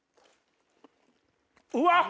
うわっ！